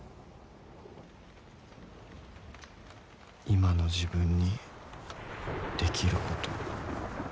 今の自分にできること